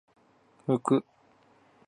ふく